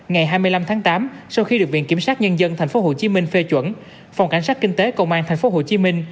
ngày hai mươi năm tháng tám sau khi được viện kiểm sát nhân dân tp hcm phê chuẩn phòng cảnh sát kinh tế công an tp hcm